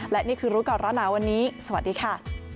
และนี่คือรู้ก่อนร้อนหนาวันนี้สวัสดีค่ะ